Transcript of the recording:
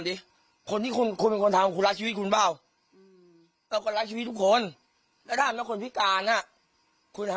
เอ่อขอศิษย์ปรรชนตามนะก็ผมไม่รู้ว่าหนีการไม่รู้ทำ